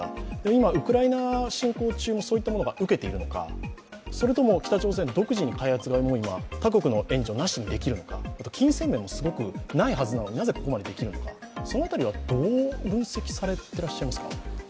今、ウクライナ侵攻中もそういったものは受けているのか、それとも北朝鮮独自に開発が、他国の援助なしにできるのか、金銭面もないはずなのに、なぜここまでできるのか、その辺りはどう分析されていらっしゃいますか？